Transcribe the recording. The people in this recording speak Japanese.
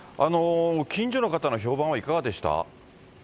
近所の方の評判はいかがでした？